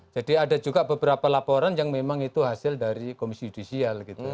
jadi ada juga beberapa laporan yang memang itu hasil dari komisi judisial gitu